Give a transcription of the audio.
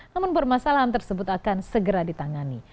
namun permasalahan tersebut akan segera ditangani